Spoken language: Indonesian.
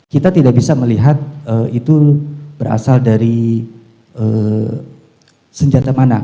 kita tidak bisa melihat itu berasal dari senjata mana